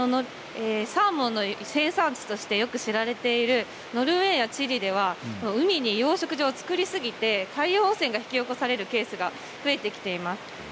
サーモンの生産地として知られているノルウェーやチリでは海に養殖場を造りすぎて海洋汚染が引き起こされるケースが増えてきています。